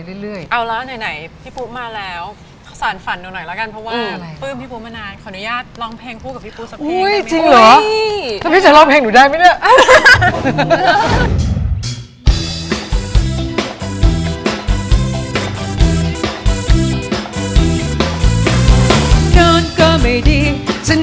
ปลื้มพี่ปู๊มมานาน